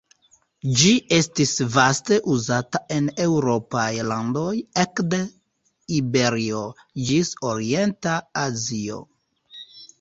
Ĝi estis vaste uzata en eŭropaj landoj ekde Iberio ĝis orienta Azio.